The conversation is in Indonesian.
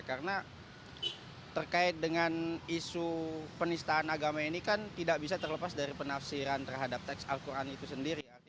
karena terkait dengan isu penistaan agama ini kan tidak bisa terlepas dari penafsiran terhadap teks al quran itu sendiri